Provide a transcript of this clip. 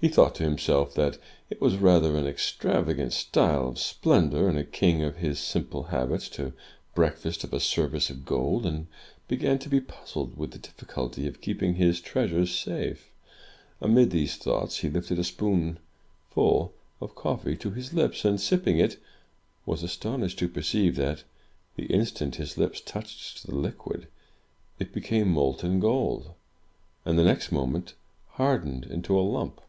He thought to himself that it was rather an extravagant style of splendor in a king of his simple habits, to breakfast off a service of gold, and began to be puzzled with the difficulty of keeping his treasures safe. Amid these thoughts, he lifted a spoonful of coffee to his lips, and sipping it, was astonished to perceive that, the instant his lips touched the liquid, it became molten gold, and the next moment, hardened into a lump!